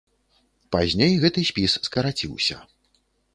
Пазней гэты спіс скараціўся.